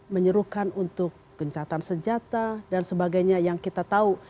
menyerukan untuk gencatan senjata dan sebagainya yang kita tahu